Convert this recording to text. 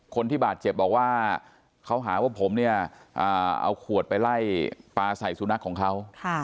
คนที่บาดเจ็บบอกว่าเขาหาว่าผมเนี่ยเอาขวดไปไล่ปลาใส่สุนัขของเขา